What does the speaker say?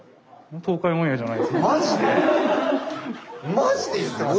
マジで言ってます？